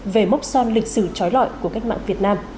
về mốc son lịch sử trói lọi của cách mạng việt nam